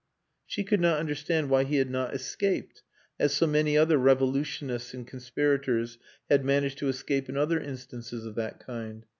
She could not understand why he had not escaped as so many other revolutionists and conspirators had managed to escape in other instances of that kind.